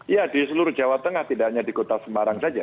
ya di seluruh jawa tengah tidak hanya di kota semarang saja